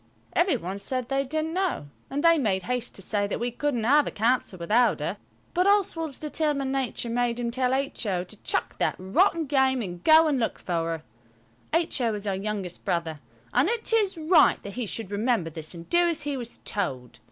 Every one said they didn't know, and they made haste to say that we couldn't have a council without her. But Oswald's determined nature made him tell H.O. to chuck that rotten game and go and look for her. H.O. is our youngest brother, and it is right that he should remember this and do as he was told.